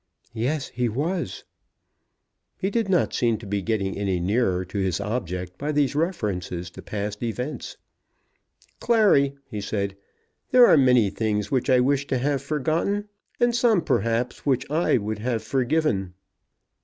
"Yes, he was." He did not seem to be getting any nearer to his object by these references to past events. "Clary," he said, "there are many things which I wish to have forgotten, and some perhaps which I would have forgiven."